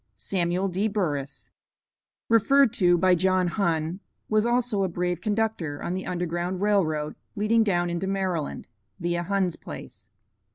'" SAMUEL D. BURRIS, Referred to by John Hunn, was also a brave conductor on the Underground Rail Road leading down into Maryland (via Hunn's place).